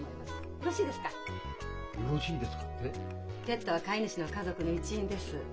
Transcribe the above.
ペットは飼い主の家族の一員です。